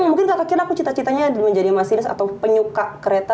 mungkin kakak kirana aku cita citanya menjadi masinis atau penyuka kereta